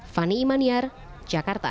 fani imaniar jakarta